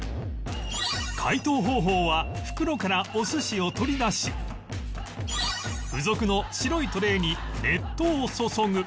解凍方法は袋からお寿司を取り出し付属の白いトレーに熱湯を注ぐ